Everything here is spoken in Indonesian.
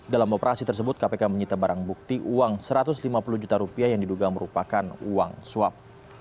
dalam operasi tersebut kpk menyita barang bukti uang satu ratus lima puluh juta rupiah yang diduga merupakan uang suap